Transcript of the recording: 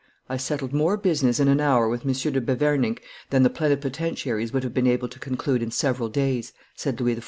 "I settled more business in an hour with M. de Beverninck than the plenipotentiaries would have been able to conclude in several days," said Louis XIV.